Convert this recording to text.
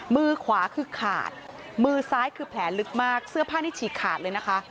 มือขวาคือขาดมือซ้ายคือแผลลึกมากเสื้อผ้านี่ฉีกขาดเลยนะคะ